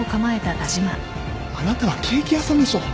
あなたはケーキ屋さんでしょう。